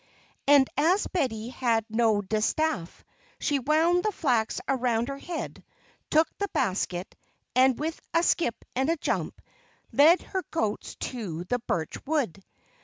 And, as Betty had no distaff, she wound the flax around her head, took the basket, and, with a skip and a jump, led her goats to the birch wood.